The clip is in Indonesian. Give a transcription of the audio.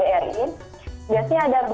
buka puasa setiap satu hari